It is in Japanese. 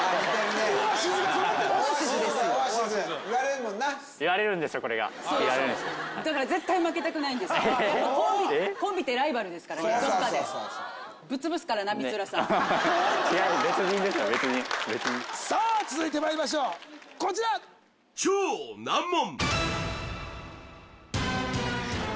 言われるもんなさあ続いてまいりましょうこちら超難問